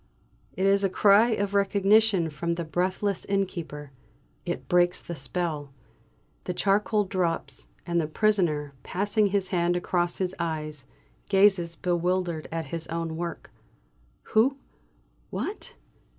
It is a cry of recognition from the breathless innkeeper. It breaks the spell. The charcoal drops, and the prisoner, passing his hand across his eyes, gazes bewildered at his own work. "Who? What?"